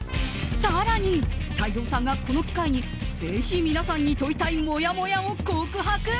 更に、泰造さんがこの機会にぜひ皆さんに問いたいもやもやを告白。